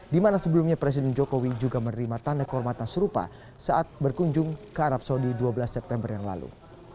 di mana sebelumnya presiden jokowi juga menerima tanda kehormatan serupa saat berkunjung ke arab saudi dua belas september yang lalu